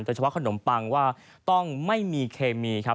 เฉพาะขนมปังว่าต้องไม่มีเคมีครับ